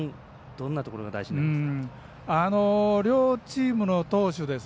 どんなところが大事になってきますか？